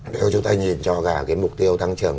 nếu chúng ta nhìn cho cả cái mục tiêu tăng trưởng